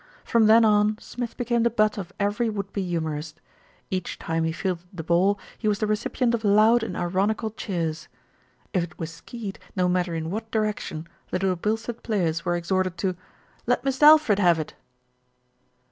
From then on Smith became the butt of every would be humourist. Each time he fielded the ball, he was the recipient of loud and ironical cheers. If it were skied, no matter in what direction, the Little Bilstead players were exhorted to "Let Mist' Alfred have it."